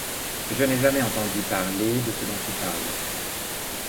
Je n'ai jamais entendu parler de ce dont tu parles.